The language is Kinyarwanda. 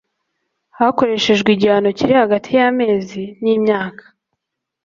hakoreshejwe igihano kiri hagati y'amezi n'imyaka